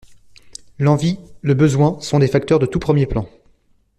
L’envie, le besoin sont des facteurs de tout premier plan.